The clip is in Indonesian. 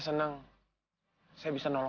tidak usah tidak apa apa